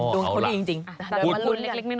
โอ้โหเอาล่ะโดยความรุนเล็กนิดนึงน้อยไป